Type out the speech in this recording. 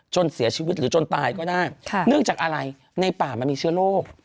เสียชีวิตหรือจนตายก็ได้เนื่องจากอะไรในป่ามันมีเชื้อโรค